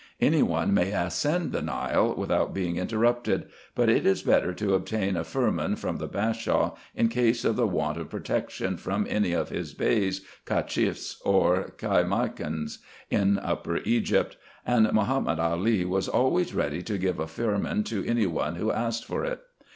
Any one may ascend the Nile without being interrupted; but it is better to obtain a firman from the Bashaw, in case of the want of protection from any of his Beys, Cacheffs, or Caimacans, in Upper Egypt ; and Mahomet Ali was always ready to give a firman to any one who asked for it.